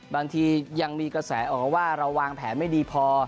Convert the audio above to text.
บางทียังมีกระแสออกว่าเราวางแผนไม่ดีพอ